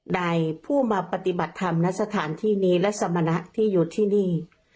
ใดผู้มาปฏิบัติธรรมณสถานที่นี้และสมณะที่อยู่ที่นี่